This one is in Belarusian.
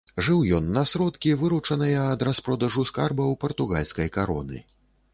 Жыў ён на сродкі, выручаныя ад распродажу скарбаў партугальскай кароны.